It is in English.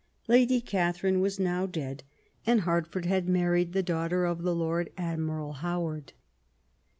Lady Catharine was now dead and Hertford had married the daughter of the Lord Admiral Howard.